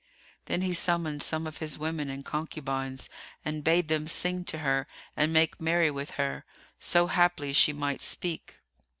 Then he summoned some of his women and concubines and bade them sing to her and make merry with her, so haply she might speak.